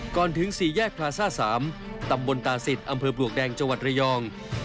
ถึง๔แยกพลาซ่า๓ตำบลตาศิษย์อำเภอปลวกแดงจังหวัดระยอง